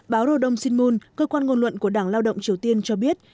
báo rồ đông sinmun cơ quan ngôn luận của đảng lao động triều tiên cho biết